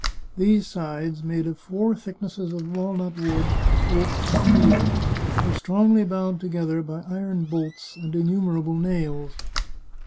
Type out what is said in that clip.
These sides, made of four thicknesses of wal nut wood, oak, and deal, were strongly bound together by iron bolts, and innumerable nails.